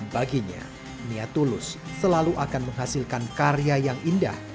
baginya niat tulus selalu akan menghasilkan karya yang indah